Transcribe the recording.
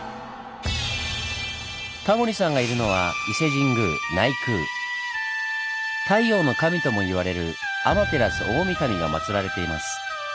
タモリさんがいるのは太陽の神とも言われる「天照大神」がまつられています。